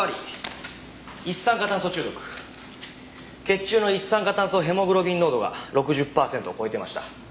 血中の一酸化炭素ヘモグロビン濃度が６０パーセントを超えていました。